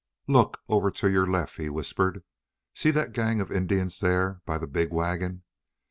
"Look! Over to your left!" he whispered. "See that gang of Indians there by the big wagon.